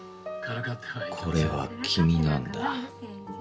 これは君なんだ